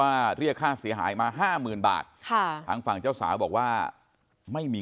ว่าเรียกค่าเสียหายมา๕๐๐๐๐บาททางฝั่งเจ้าสาวบอกว่าไม่มี